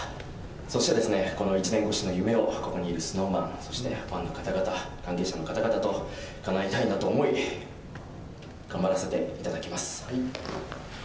そしてですね、この１年越しの夢を、ここにＳｎｏｗＭａｎ、そしてファンの方々、関係者の方々とかなえたいなと思い、頑張らせていただきます。